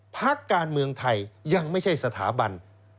พักการเมืองไทยยังไม่ใช่สถาบัน